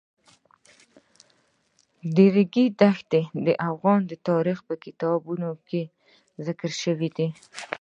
د ریګ دښتې د افغان تاریخ په کتابونو کې ذکر شوی دي.